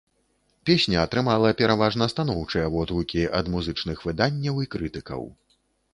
Песня атрымала пераважна станоўчыя водгукі ад музычных выданняў і крытыкаў.